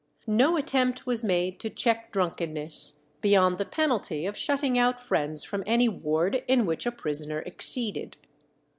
No attempt was made to check drunkenness, beyond the penalty of shutting out friends from any ward in which a prisoner exceeded.